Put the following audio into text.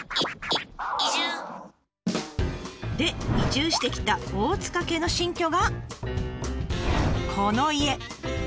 で移住してきた大塚家の新居がこの家。